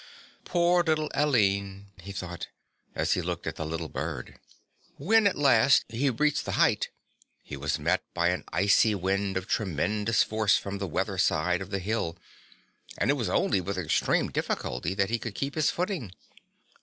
"Poor little Aline," he thought, as he looked at the little bird. When at last he reached the height he was met by an icy wind of tremendous force from the weather side of the hill and it was only with extreme difficulty that he could keep his footing.